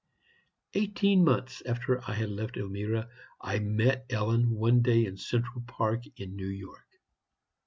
"Eighteen months after I had left Elmira, I met Ellen one day in Central Park, in New York.